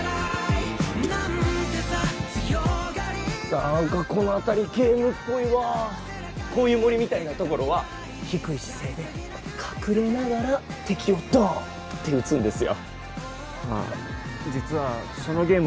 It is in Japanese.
何かこのあたりゲームっぽいわこういう森みたいなところは低い姿勢で隠れながら敵をドーンって撃つんですよはあ実はそのゲーム